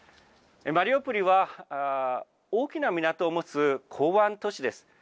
マリウポリは大きな港を持つ港湾都市です。